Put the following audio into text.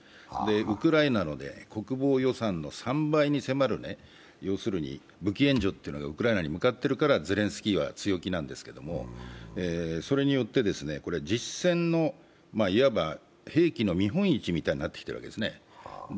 ウクライナの国防予算の３倍に迫る武器援助がウクライナに向かっているからゼレンスキーは強気なんですけどそれによって実戦のいわば兵器の見本市みたいになっているんですね。